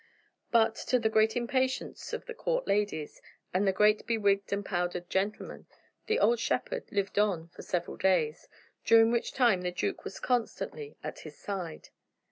But, to the great impatience of the court ladies and the great bewigged and powdered gentlemen, the old shepherd lived on for several days, during which time the duke was constantly at his side.